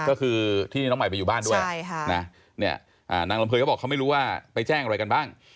ก็คือที่น้องใหม่ไปอยู่บ้านด้วยนางลำเภยก็บอกเขาไม่รู้ว่าไปแจ้งอะไรกันบ้าง